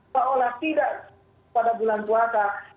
seolah tidak pada bulan puasa